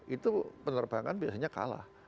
itu penerbangan biasanya kalah